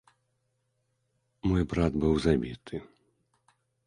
Мой брат быў забіты.